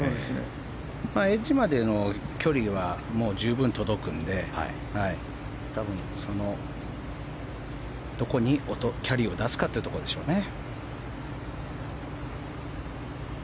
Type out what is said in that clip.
エッジまでの距離は十分届くので多分、そのところにキャリーを出すかってところでしょうね。